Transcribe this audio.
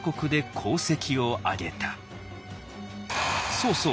「そうそう。